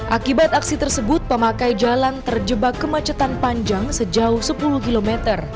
akibat aksi tersebut pemakai jalan terjebak kemacetan panjang sejauh sepuluh km